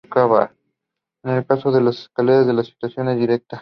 En el caso de escaleras la sustitución es directa.